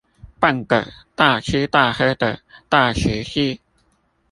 辦個大吃大喝的大食祭